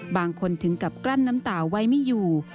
บางคนถึงกับกลั้นน้ำตาวไวไม่อยู่